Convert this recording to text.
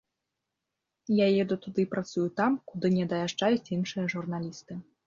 Я еду туды і працую там, куды не даязджаюць іншыя журналісты.